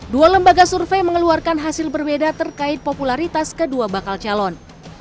dua lembaga survei mengeluarkan hasil berbeda terkait popularitas kedua bakal calon